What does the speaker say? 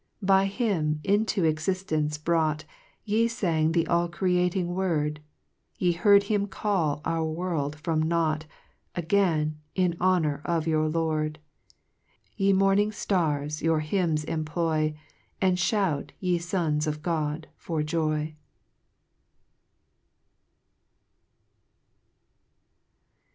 4 By him into exiftence brought, Yc fang the all creating Word ; Yc heard him call our world from nought Again, in honour of your Lord, Ye morning liars, your hymns employ, And ihout, ye fons of God, for joy.